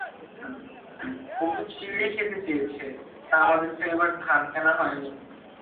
অপু চিড়ে খেতে চেয়েছে, তা আমাদের তো এবার ধান কেনা হয়নি।